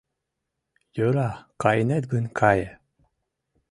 Йӧра, кайынет гын, кае...